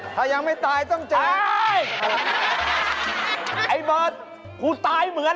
มันยังตายไม่เหมือน